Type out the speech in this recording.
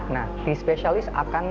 nah di spesialis akan